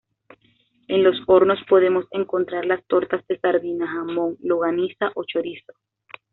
En los hornos podemos encontrar las tortas de sardina, jamón, longaniza o chorizo.